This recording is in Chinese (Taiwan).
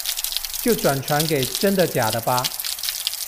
就轉傳給真的假的吧